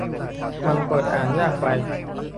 มันเปิดอ่านยากไป